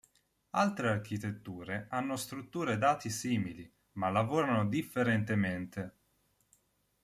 Altre architetture hanno strutture dati simili, ma lavorano differentemente.